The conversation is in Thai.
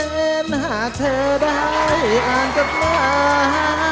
มันหากเธอได้อ่านจดหมาย